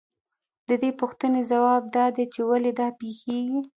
د دې پوښتنې ځواب دا دی چې ولې دا پېښېږي